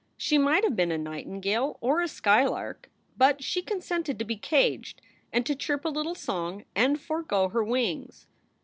She might have been a nightingale or a skylark, but she consented to be caged and to chirp a little song and forego her wings.